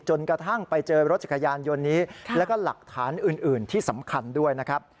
จนกระทั่งไปเจอรถจักรยานยนต์นี้แล้วก็หลักฐานอื่นที่สำคัญด้วยนะครับ